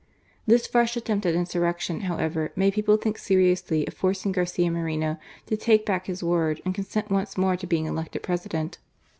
.« This fresh attempt at insurrection, however^ made people thmk seriously of; forcing Garcia Moreno to take back his word and consait once more to being elected President.